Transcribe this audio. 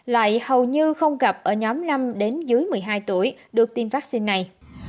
lại hầu như không gặp ở nhóm năm đến dưới một mươi hai tuổi được tiêm vaccine này